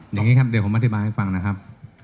อย่างนี้ครับเดี๋ยวผมอธิบายให้ฟังนะครับ